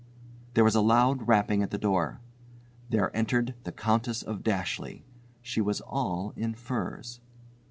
There was a loud rapping at the door. There entered the Countess of Dashleigh. She was all in furs.